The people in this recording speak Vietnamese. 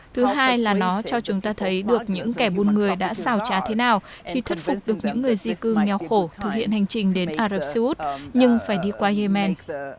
thứ hai là nó cho chúng ta thấy được những kẻ buôn người đã xào chá thế nào khi thuyết phục được những người di cư nghèo khổ thực hiện hành trình đến ả rập xê út nhưng phải đi qua yemen